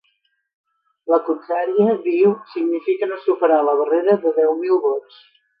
La contrària, diu, significa no superar la barrera de deu mil vots.